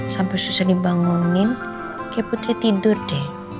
sama susah dibangunin putri tidur deh